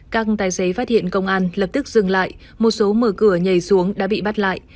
các tài xế phát hiện công an lập tức dừng lại một số mở cửa nhảy xuống đã bị bắt lại